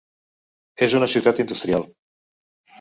És una ciutat industrial.